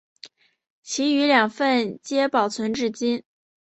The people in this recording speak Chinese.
其余两份皆保存至今。